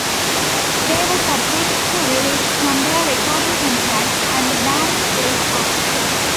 They were subsequently released from their recording contract, and the band split up.